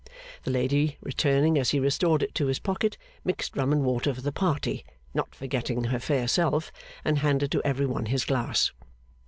The lady, returning as he restored it to his pocket, mixed rum and water for the party, not forgetting her fair self, and handed to every one his glass.